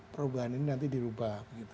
perubahan ini nanti dirubah